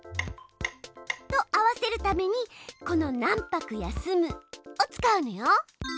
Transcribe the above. と合わせるためにこの「何拍休む」を使うのよ。